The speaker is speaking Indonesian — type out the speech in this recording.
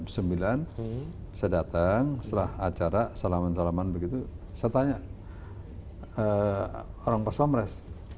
saya datang setelah acara salaman salaman begitu saya tanya orang pas pamres